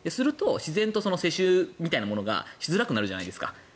自然と世襲みたいなものがしづらくなるじゃないですか。